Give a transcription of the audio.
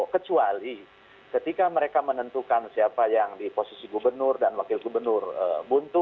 kecuali ketika mereka menentukan siapa yang di posisi gubernur dan wakil gubernur buntu